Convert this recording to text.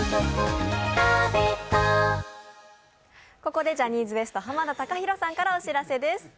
ここでジャニーズＷＥＳＴ・濱田崇裕さんかお知らせです。